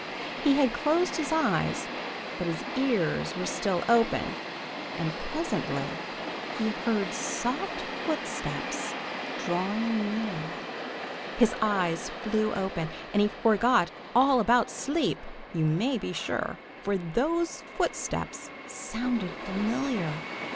He had closed his eyes, but his ears were still open, and presently he heard soft footsteps drawing near. His eyes flew open, and he forgot all about sleep, you may be sure, for those footsteps sounded familiar.